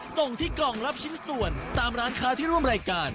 ส่งที่กล่องรับชิ้นส่วนตามร้านค้าที่ร่วมรายการ